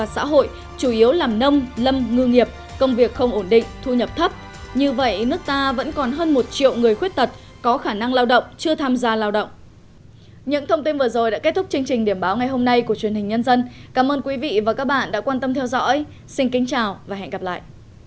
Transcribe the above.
xin kính chào và hẹn gặp lại